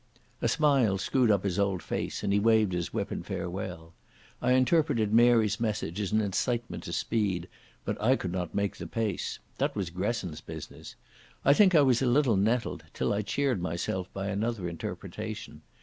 A smile screwed up his old face and he waved his whip in farewell. I interpreted Mary's message as an incitement to speed, but I could not make the pace. That was Gresson's business. I think I was a little nettled, till I cheered myself by another interpretation.